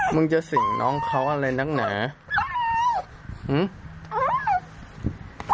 มึงจะสิ่งน้องเขาอะไรนะคะหึ้ม